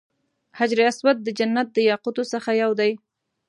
حجر اسود د جنت د یاقوتو څخه یو دی.